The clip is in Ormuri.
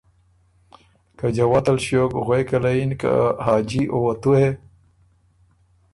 که جوت ال ݭیوک غوېکه له یِن که حاجی او وه تُو هې!